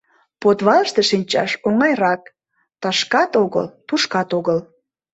Подвалыште шинчаш оҥайрак: тышкат огыл, тушкат огыл.